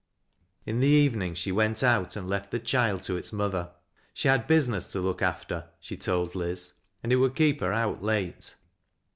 In the evening she went out and left the child to its mother. She had business to look after, she told Liz, and it would keep her out late.